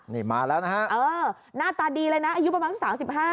นี่มาแล้วนะฮะเออหน้าตาดีเลยนะอายุประมาณสัก๓๕